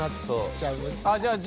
じゃあ樹